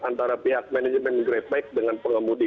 antara pihak manajemen grepek dengan pengemudi